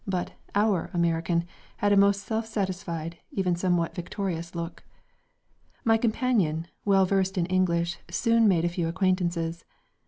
But "our" American had a most self satisfied, even somewhat victorious look. My companion, well versed in English soon made a few acquaintances.